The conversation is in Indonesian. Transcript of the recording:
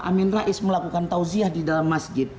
bapak amin rais melakukan tawziah di dalam masjid